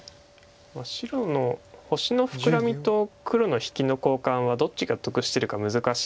白の星のフクラミと黒の引きの交換はどっちが得してるか難しいんですよね